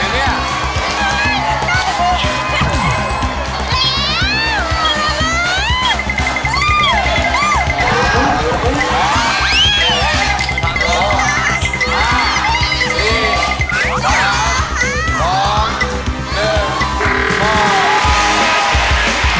อ๋ออะไรบ้าง